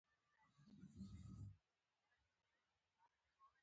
سارده د څوارلسم سپوږمۍ په څېر ښکلې ده.